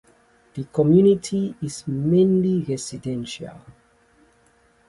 The community is mainly residential.